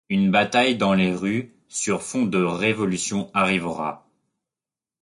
Une bataille dans les rues sur fond de révolution arrivera.